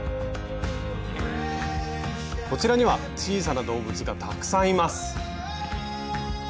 こちらには小さな動物がたくさんいます。